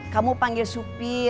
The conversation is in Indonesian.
kamu panggil supi